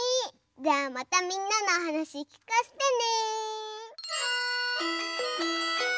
じゃあまたみんなのはなしきかせてね！